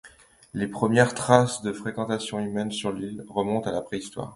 Les premières traces de fréquentation humaine sur l’île remontent à la Préhistoire.